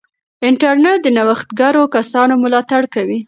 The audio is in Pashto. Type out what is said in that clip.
انټرنیټ د نوښتګرو کسانو ملاتړ کوي.